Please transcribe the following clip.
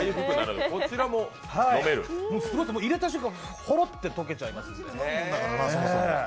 口の中に入れた瞬間、ほろっと溶けちゃいますから。